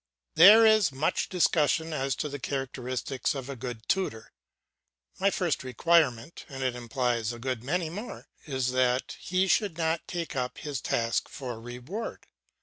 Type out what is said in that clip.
There is much discussion as to the characteristics of a good tutor. My first requirement, and it implies a good many more, is that he should not take up his task for reward.